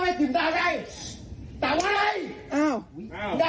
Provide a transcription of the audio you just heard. ขอบคุณพระเจ้า